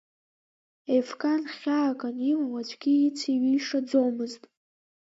Ефкан хьаак анимоу аӡәгьы ицеиҩишаӡомызт.